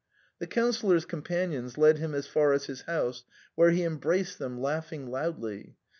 The Councillor's com panions led him as far as his house, where he embraced them, laughing loudly.